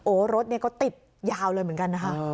โอ๊ยรถก็ติดยาวเลยเหมือนกันนะครับ